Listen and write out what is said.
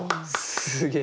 すげえ。